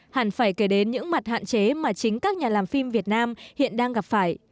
hẳn phải kể đến những mặt hạn chế mà chính các nhà làm phim việt nam hiện đang gặp phải